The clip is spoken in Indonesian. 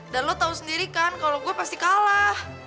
dan lo tau sendiri kan kalau gue pasti kalah